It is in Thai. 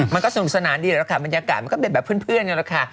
มันก็สนุกสนานดีแหละค่ะบรรยากาศมันก็เป็นแบบเพื่อนกันแหละค่ะ